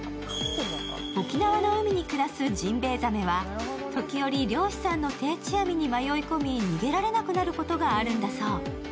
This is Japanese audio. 沖縄の海に暮らすジンベエザメは時折漁師さんの定置網に迷い込み逃げられなくなることがあるんだそう。